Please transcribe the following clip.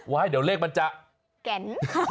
ว่าให้เดี๋ยวเลขมันจะแกน